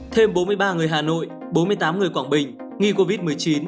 thêm bốn mươi ba người hà nội bốn mươi tám người quảng bình nghi covid một mươi chín